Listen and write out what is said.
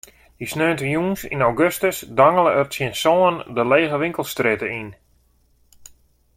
Dy sneontejûns yn augustus dangele er tsjin sânen de lege winkelstrjitte yn.